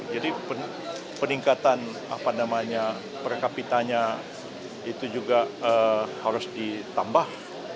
jadi peningkatan perkapitanya itu juga harus ditambah